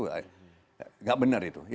nggak benar itu